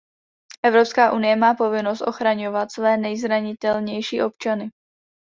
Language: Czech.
Evropská unie má povinnost ochraňovat své nejzranitelnější občany.